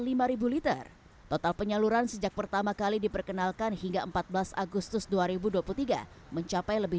lima ribu liter total penyaluran sejak pertama kali diperkenalkan hingga empat belas agustus dua ribu dua puluh tiga mencapai lebih